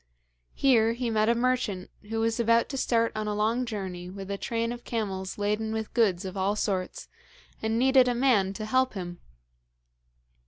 Here he met a merchant who was about to start on a long journey with a train of camels laden with goods of all sorts, and needed a man to help him.